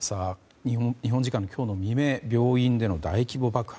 日本時間今日未明病院での大規模爆発。